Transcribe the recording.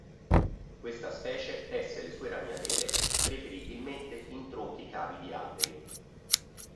Questa specie tesse le sue ragnatele preferibilmente in tronchi cavi di alberi.